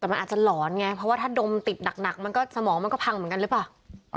แต่มันอาจจะหลอนไงเพราะว่าถ้าดมติดหนักมันก็สมองมันก็พังเหมือนกันหรือเปล่า